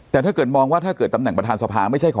แต่เกิดบอกว่าถ้าเกิดตำแหน่งประธานสภา